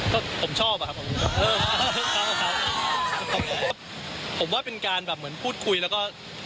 ก็ผมชอบอ่ะครับผมเออครับผมว่าเป็นการแบบเหมือนพูดคุยแล้วก็